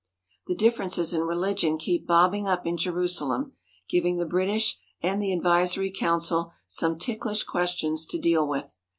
The differences in religion keep bobbing up in Jeru salem, giving the British and the advisory council some ticklish questions to deal with.